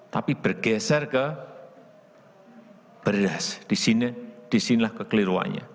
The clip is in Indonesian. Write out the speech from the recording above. tapi bergeser ke beras disinilah kekeliruannya